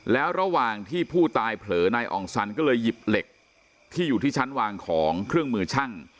แล้วระหว่างที่ผู้ตายเผลอนายอ่องสันก็เลยหยิบเหล็กที่อยู่ที่ชั้นวางของเครื่องมือช่าง